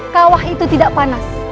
kawah itu tidak panas